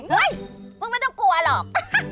เฮ้ยมึงไม่ต้องกลัวหรอก